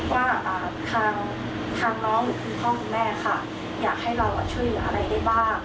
ว่าทางน้องหรือพี่พ่อคุณแม่อยากให้รอช่วยอะไรได้บ้าง